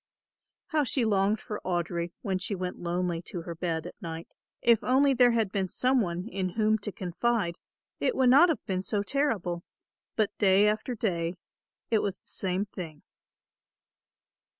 How she longed for Audry when she went lonely to her bed at night. If only there had been some one in whom to confide it would not have been so terrible; but day after day it was the same thing.